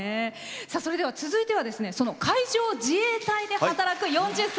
それでは続いてはその海上自衛隊で働く４０歳。